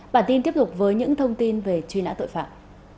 bản tin tiếp tục với những thông tin về truy nã tội phạm